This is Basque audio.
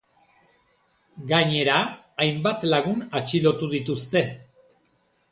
Gainera, hainbat lagun atxilotu dituzte.